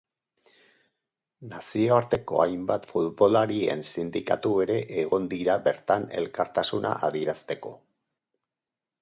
Nazioarteko hainbat futbolarien sindikatu ere egon dira bertan elkartasuna adierazteko.